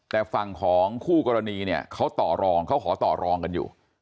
แต่ฝั่งของคู่กรณีเนี่ยเขาต่อรองเขาขอต่อรองกันอยู่